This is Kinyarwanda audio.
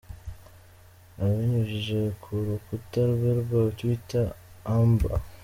Abinyujije ku rukuta rwe rwa twitter Amb.